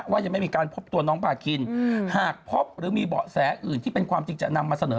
ว่ายังไม่มีการพบตัวน้องผ่าขิหากพบหรือมีเหแสอื่อที่เป็นความจริงจะนำ